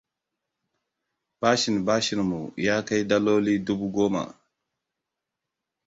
Bashin bashinmu ya kai daloli dubu goma.